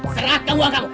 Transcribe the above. serahkan uang kamu